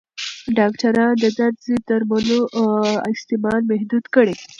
ډاکټران د درد ضد درملو استعمال محدود کړی.